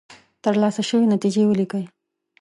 ترلاسه شوې نتیجې ولیکئ.